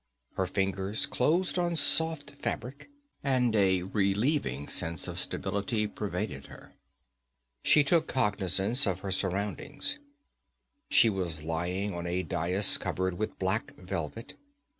Her fingers closed on soft fabric, and a relieving sense of stability pervaded her. She took cognizance of her surroundings. She was lying on a dais covered with black velvet.